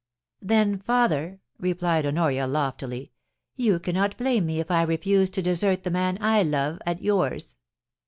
'Then, father,' replied Honoria, loftily, 'you cannot blame me if I refuse to desert the man I love at yours.